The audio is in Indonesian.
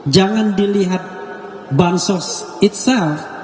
jangan dilihat bansos itsal